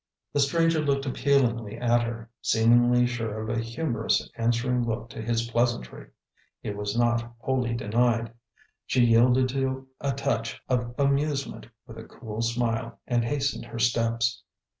The stranger looked appealingly at her, seemingly sure of a humorous answering look to his pleasantry. It was not wholly denied. She yielded to a touch of amusement with a cool smile, and hastened her steps.